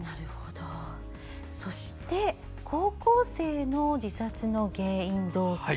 そして高校生の自殺の原因・動機。